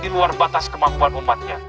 di luar batas kemampuan umatnya